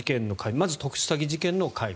まず特殊詐欺事件の解明